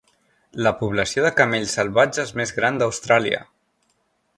La població de camells salvatges més gran d'Austràlia.